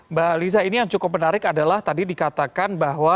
mbak liza ini yang cukup menarik adalah tadi dikatakan bahwa